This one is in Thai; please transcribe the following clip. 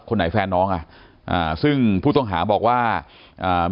ไหนแฟนน้องอ่ะอ่าซึ่งผู้ต้องหาบอกว่าอ่า